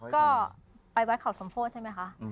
ก็ไปวัดเขาสมโพธิใช่ไหมคะ